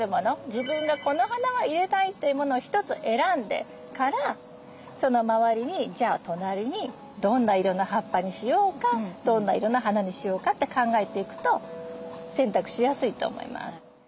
自分がこの花は入れたいというものを一つ選んでからその周りにじゃあ隣にどんな色の葉っぱにしようかどんな色の花にしようかって考えていくと選択しやすいと思います。